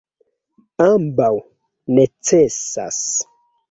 Ambaŭ necesas.